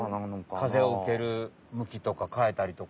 風を受ける向きとか変えたりとか。